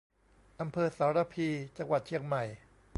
อำเภอสารภี จังหวัดเชียงใหม่